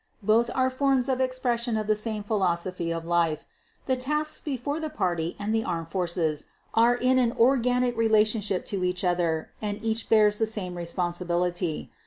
Both are forms of expression of the same philosophy of life ... the tasks before the Party and the Armed Forces are in an organic relationship to each other and each bears the same responsibility